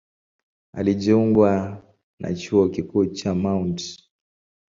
Alijiunga na Chuo Kikuu cha Mt.